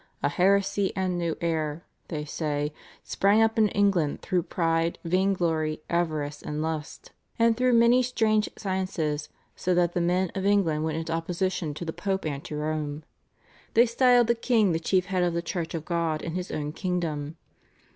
"A heresy and new error," they say, "sprang up in England through pride, vain glory, avarice, and list, and through many strange sciences, so that the men of England went into opposition to the Pope and to Rome. ... They styled the king the chief head of the Church of God in his own kingdom.